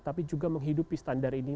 tapi juga menghidupi standar ini